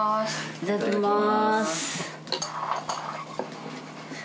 いただきます。